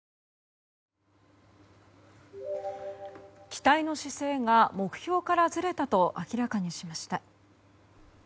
機体の姿勢が目標からずれたと明らかにしました。